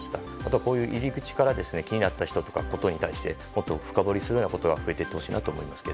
こういう入り口から気になった人や事に対してもっと深掘りするようなことが増えていってほしいと思います。